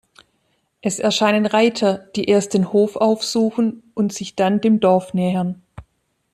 Es erscheinen Reiter, die erst den Hof aufsuchen und sich dann dem Dorf nähern.